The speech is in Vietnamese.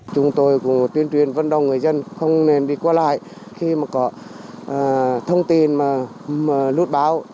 chúng tôi cũng tuyên truyền vân đông người dân không nên đi qua lại khi có thông tin lút báo